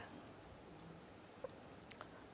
saya menyampaikan juga kepada beliau bahwa kita harus berpikir